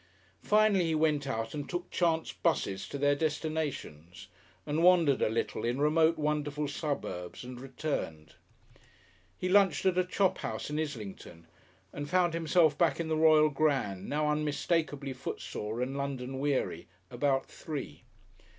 Finally he went out and took chance 'buses to their destinations, and wandered a little in remote, wonderful suburbs and returned. He lunched at a chop house in Islington, and found himself back in the Royal Grand, now unmistakably footsore and London weary, about three.